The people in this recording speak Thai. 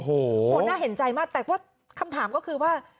โอ้โหน่าเห็นใจมากแต่ว่าคำถามก็คือว่า